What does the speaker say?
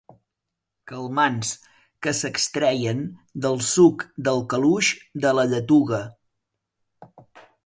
Calmants que s'extreien del suc del caluix de la lletuga.